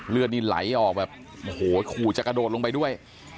เลือดนี่ไหลออกแบบโอ้โหขู่จะกระโดดลงไปด้วย